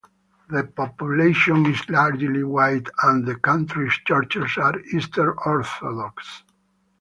The population is largely white, and the country's churches are Eastern Orthodox.